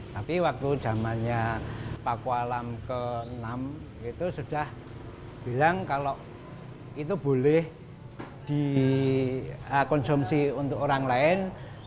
tapi waktu zamannya paku alam ke enam itu sudah bilang kalau itu boleh dikonsumsi untuk orang lain